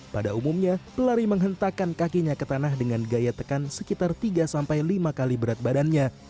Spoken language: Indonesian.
pada umumnya pelari menghentakkan kakinya ke tanah dengan gaya tekan sekitar tiga sampai lima kali berat badannya